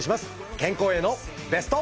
健康へのベスト。